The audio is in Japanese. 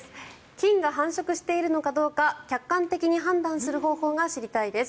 菌が繁殖しているのかどうか客観的に判断する方法が知りたいです。